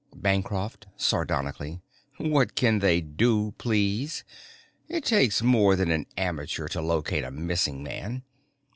Bancroft, sardonically: "What can they do, please? It takes more than an amateur to locate a missing man.